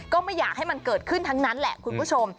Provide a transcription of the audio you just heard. ก็ไม่อยากให้มันเกิดขึ้นทั้งนั้นแหละคุณผู้ชม